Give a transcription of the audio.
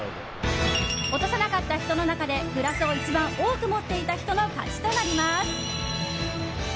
落とさなかった人の中でグラスを一番多く持っていた人の勝ちとなります。